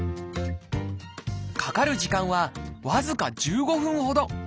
かかる時間は僅か１５分ほど。